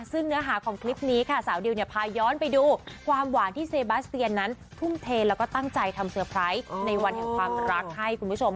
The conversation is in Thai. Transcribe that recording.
ซึ่งเนื้อหาของคลิปนี้ค่ะสาวดิวเนี่ยพาย้อนไปดูความหวานที่เซบาสเตียนนั้นทุ่มเทแล้วก็ตั้งใจทำเซอร์ไพรส์ในวันแห่งความรักให้คุณผู้ชม